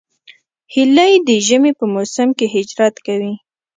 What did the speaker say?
هیلۍ د ژمي په موسم کې هجرت کوي